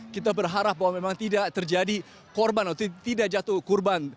kita berharap bahwa memang tidak terjadi korban atau tidak jatuh korban